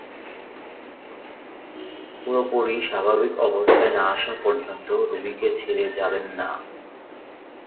পুরোপুরি স্বাভাবিক অবস্থায় না আসা পর্যন্ত রোগীকে ছেড়ে যাবেন না।